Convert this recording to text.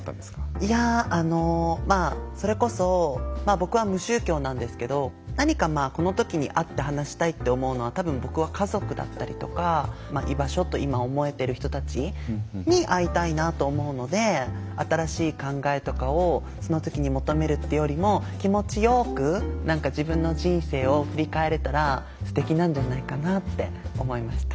いやあのまあそれこそ僕は無宗教なんですけど何かまあこの時に会って話したいって思うのは多分僕は家族だったりとか居場所と今思えてる人たちに会いたいなと思うので新しい考えとかをその時に求めるというよりも気持ちよく何か自分の人生を振り返れたらすてきなんじゃないかなって思いました。